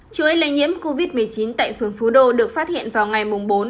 chuỗi lây nhiễm covid một mươi chín tại phường phú đô được phát hiện vào ngày bốn năm một mươi một